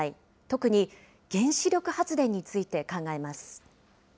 特に原子力発電について考えます。